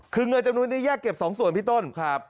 คือเงินจำนวนนี้แยกเก็บ๒ส่วนพี่ต้น